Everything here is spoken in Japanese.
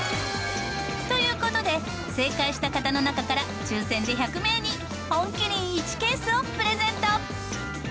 という事で正解した方の中から抽選で１００名に本麒麟１ケースをプレゼント。